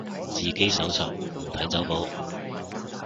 自己搜尋，唔睇走寶